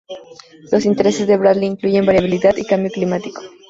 Los intereses de Bradley incluyen variabilidad y cambio climático